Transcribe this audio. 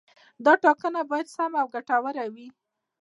دا ټاکنه باید سمه او ګټوره وي.